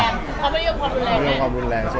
เขาไม่ได้ยกความรุนแรงนะ